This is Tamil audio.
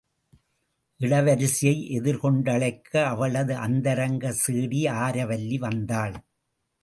இளவரசியை எதிர் கொண்டழைக்க அவளது அந்தரங்கச் சேடி ஆரவல்லி வந்தாள்.